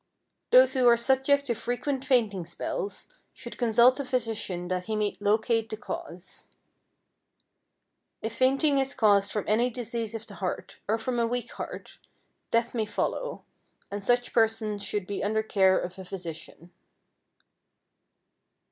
Those who are subject to frequent fainting spells should consult a physician that he may locate the cause. If fainting is caused from any disease of the heart, or from a weak heart, death may follow, and such persons should be under the care of a physician.